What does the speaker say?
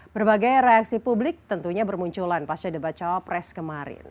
berbagai reaksi publik tentunya bermunculan pas ada baca pres kemarin